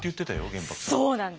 玄白さん。